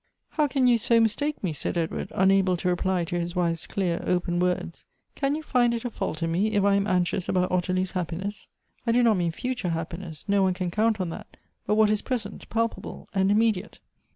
"How can you so mistake me?" said Edward, unable to reply to his wife's clear, open words. " Can you find it a fault in me, if I am anxious about Ottilie's happiness ? I do not mean future happiness — no one can count on that — but what is present, palpable, and immediate.